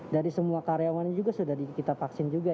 dari semua karyawannya juga sudah kita vaksin juga